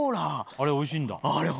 あれおいしいんだ。